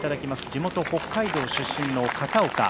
地元・北海道出身の片岡。